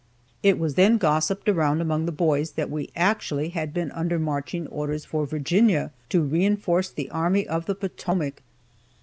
It was then gossiped around among the boys that we actually had been under marching orders for Virginia to reinforce the Army of the Potomac!